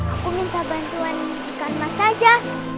aku minta bantuan bukan mas saja